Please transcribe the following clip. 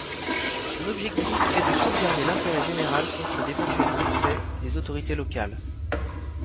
Son objectif est de sauvegarder l'intérêt général contre d'éventuels excès des autorités locales.